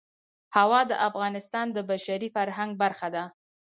هوا د افغانستان د بشري فرهنګ برخه ده.